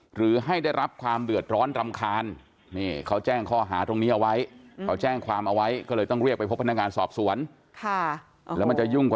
หรือให้ได้รับความเดือดร้อนรำคาญ